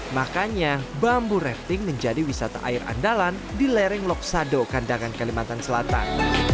makanya bambu rafting menjadi wisata air andalan di lereng loksado kandangan kalimantan selatan